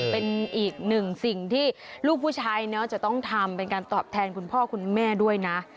เป็นอีกหนึ่งสิ่งที่ลูกผู้ชายจะต้องทำเป็นการตอบแทนคุณพ่อคุณแม่ด้วยนะ